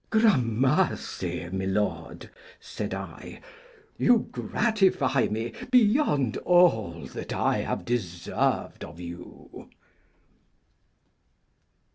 Gramercy, my lord, said I, you gratify me beyond all that I have deserved of you.